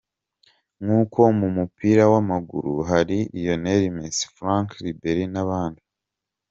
Nko mu mupira w’amaguru, hari Lionel Messi, Franck Ribery n’abandi.